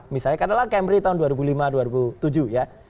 misalnya katakanlah camry tahun dua ribu lima dua ribu tujuh ya